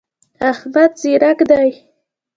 احمد ځیرک دی.